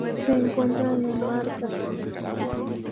Se encuentra en el mar Caspio.